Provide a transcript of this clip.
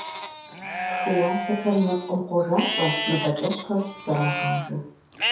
Хыуалъэхэр нэпкъым къожалӀэ, мывэкӀэщхъыр зэрагъажэ.